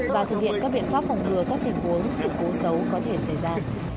và thực hiện các biện pháp phòng ngừa các tình huống sự cố xấu có thể xảy ra